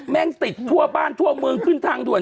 แม่งติดทั่วบ้านทั่วเมืองขึ้นทางด่วน